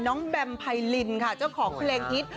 แบมไพรินค่ะเจ้าของเพลงฮิต